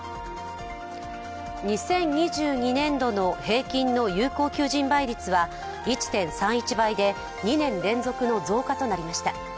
２０２２年度の平均の有効求人倍率は１．３１倍で２年連続の増加となりました。